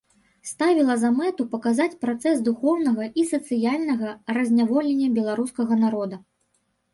Ставіла за мэту паказаць працэс духоўнага і сацыяльнага разняволення беларускага народа.